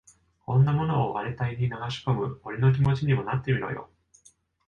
こんなものを荒れた胃に流し込む俺の気持ちにもなってみろよ。